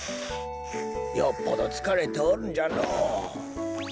よっぽどつかれておるんじゃのぉ。